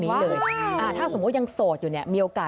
มีหลายขมูลวิ่งซ้อนเข้ามา